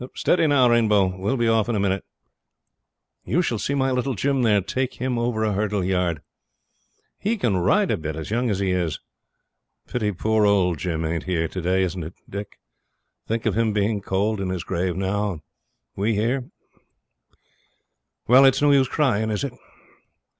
Steady, now, Rainbow, we'll be off in a minute. You shall see my little Jim there take him over a hurdle yard. He can ride a bit, as young as he is. Pity poor old Jim ain't here to day, isn't it, Dick? Think of him being cold in his grave now, and we here. Well, it's no use crying, is it?'